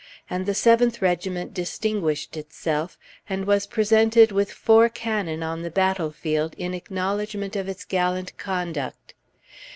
And the Seventh Regiment distinguished itself, and was presented with four cannon on the battlefield in acknowledgment of its gallant conduct!